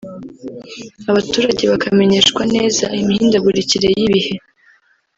abaturage bakamenyeshwa neza imihindagurikire y’ibihe